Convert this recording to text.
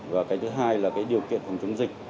và thứ hai là điều kiện phòng chống dịch